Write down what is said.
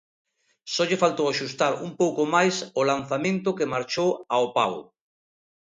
Só lle faltou axustar un pouco máis o lanzamento que marchou ao pau.